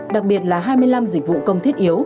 đặc biệt là hai mươi năm dịch vụ công thiết yếu